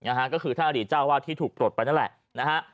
นะฮะก็คือท่านอดีตเจ้าวาดที่ถูกปลดไปนั่นแหละนะฮะ